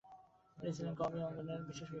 তিনি ছিলেন কওমি অঙ্গনের শীর্ষ ব্যক্তিত্ব।